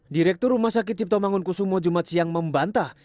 direktur rumah sakit cipto mangunkusumo jumat siang membantah